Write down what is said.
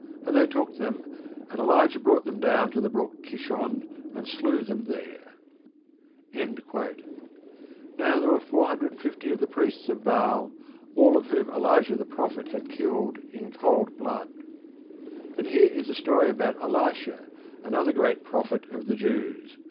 _" And they took them, and Elijah brought them down to the brook Kishon, and slew them there. Now, there were 450 of the priests of Baal, all of whom Elijah the prophet had killed in cold blood. And here is a story about Elisha, another great prophet of the Jews.